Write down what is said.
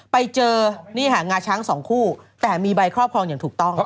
ไปเจอนี่ค่ะงาช้างสองคู่แต่มีใบครอบครองอย่างถูกต้อง